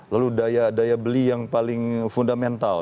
lalu daya beli yang paling fundamental